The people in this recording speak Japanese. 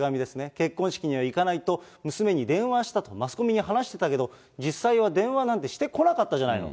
結婚式には行かないと、娘に電話したとマスコミに話してたけど、実際は電話なんてしてこなかったじゃないの。